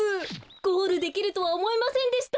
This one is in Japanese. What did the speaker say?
ゴールできるとはおもいませんでした。